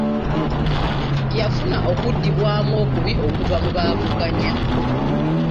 Yafuna okuddibwanu okubi okuva mu baavuganya.